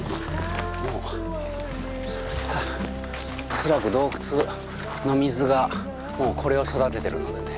恐らく洞窟の水がもうこれを育ててるのでね